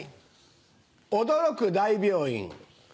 驚く大病院。